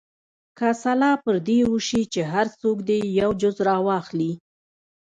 که سلا پر دې وشي چې هر څوک دې یو جز راواخلي.